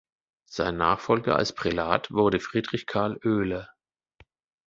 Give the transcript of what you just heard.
Sein Nachfolger als Prälat wurde Friedrich Karl Oehler.